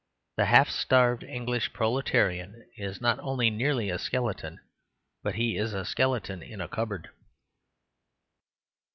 The half starved English proletarian is not only nearly a skeleton but he is a skeleton in a cupboard.